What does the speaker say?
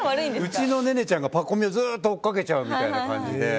うちのネネちゃんがパコ美をずっと追っかけちゃうみたいな感じで。